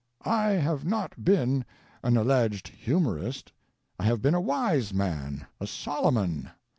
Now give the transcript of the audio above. "I have not been an alleged humorist. I have been a wise man, a Solomon.